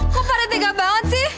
kok pada tiga banget sih